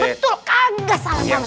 bener betul kagak salah banget